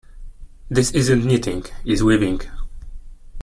This isn't knitting, it's weaving.